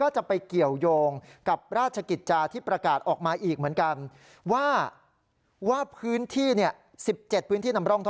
จะยกเลิกเคอร์ฟิล